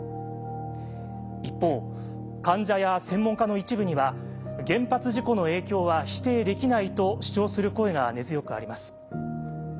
一方患者や専門家の一部には「原発事故の影響は否定できない」と主張する声が根強くあります。